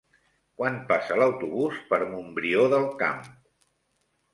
Quan passa l'autobús per Montbrió del Camp?